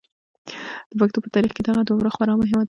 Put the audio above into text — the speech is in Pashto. د پښتنو په تاریخ کې دغه دوره خورا مهمه ده.